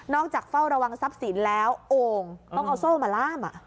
จากเฝ้าระวังทรัพย์สินแล้วโอ่งต้องเอาโซ่มาล่าม